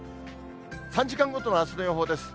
３時間ごとのあすの予報です。